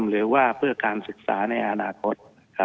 หรือว่าเพื่อการศึกษาในอนาคต